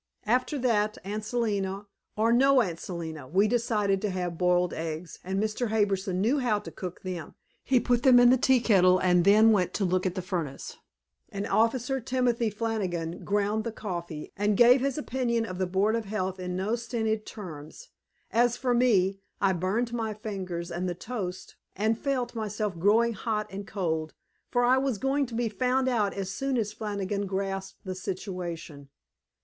After that, Aunt Selina or no Aunt Selina, we decided to have boiled eggs, and Mr. Harbison knew how to cook them. He put them in the tea kettle and then went to look at the furnace. And Officer Timothy Flannigan ground the coffee and gave his opinion of the board of health in no stinted terms. As for me, I burned my fingers and the toast, and felt myself growing hot and cold, for I was going to be found out as soon as Flannigan grasped the situation.